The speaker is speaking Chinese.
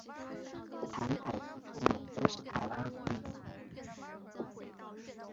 谭凯文父母都是台湾移民。